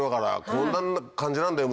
こんな感じなんだよ